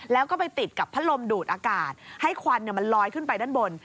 แล้วก็ไปติดกับพัดลมดูดอากาศให้ควันมันลอยขึ้นไปด้านบน